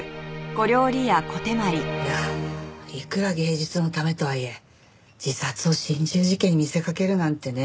いやいくら芸術のためとはいえ自殺を心中事件に見せかけるなんてね。